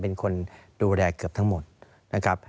เป็นคนดูแลเกือบทั้งหมดนะครับ